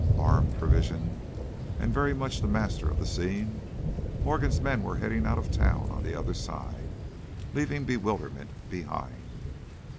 Armed, provisioned, and very much the masters of the scene, Morgan's men were heading out of town on the other side, leaving bewilderment behind.